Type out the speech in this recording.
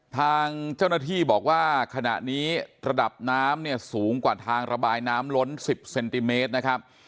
ทางเจ้าหน้าที่บอกว่าขณะนี้ระดับน้ำเนี่ยสูงกว่าทางระบายน้ำล้น๑๐เซนติเมตรนะครับ